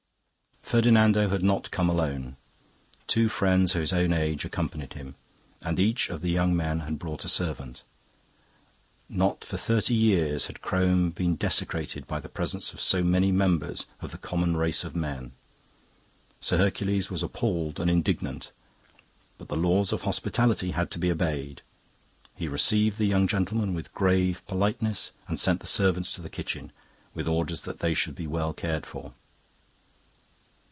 "Ferdinando had not come alone. Two friends of his own age accompanied him, and each of the young men had brought a servant. Not for thirty years had Crome been desecrated by the presence of so many members of the common race of men. Sir Hercules was appalled and indignant, but the laws of hospitality had to be obeyed. He received the young gentlemen with grave politeness and sent the servants to the kitchen, with orders that they should be well cared for.